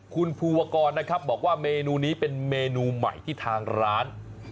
คุณภูวกรนะครับบอกว่าเมนูนี้เป็นเมนูใหม่ที่ทางร้าน